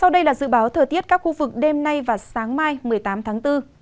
sau đây là dự báo thời tiết các khu vực đêm nay và sáng mai một mươi tám tháng bốn